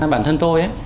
bản thân tôi ấy